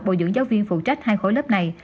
bồi dưỡng giáo viên phụ trách hai khối lớp này